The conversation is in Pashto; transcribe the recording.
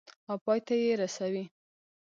او پای ته یې رسوي.